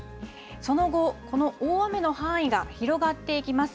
その後、この大雨の範囲が広がっていきます。